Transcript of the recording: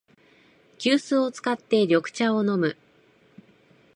急須を使って緑茶を飲む